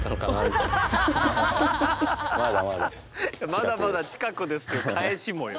「まだまだ近くです」っていう返しもよ。